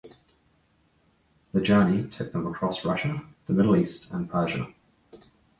The journey took them across Russia, the Middle East and Persia.